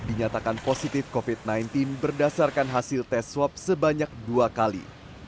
dinyatakan positif covid sembilan belas berdasarkan hasil tes swab sebanyak dua kali